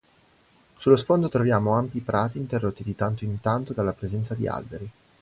Sullo sfondo troviamo ampi prati interrotti di tanto in tanto dalla presenza di alberi.